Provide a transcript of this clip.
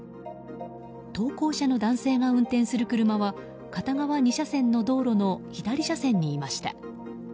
投稿者の男性が運転する車は片側２車線の道路の左車線にいました。